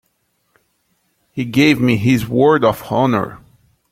He gave me his word of honor.